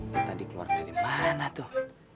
kita dikeluarkan dari mana tuh